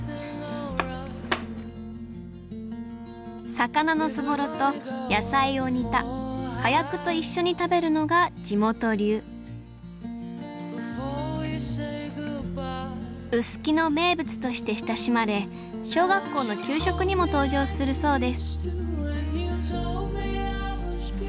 魚のそぼろと野菜を煮たかやくと一緒に食べるのが地元流臼杵の名物として親しまれ小学校の給食にも登場するそうです